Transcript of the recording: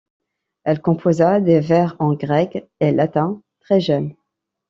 Elle composa des vers en grec et latin très jeune.